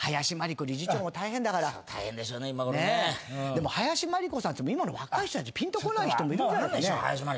でも林真理子さんって今の若い人たちぴんとこない人もいるんじゃない？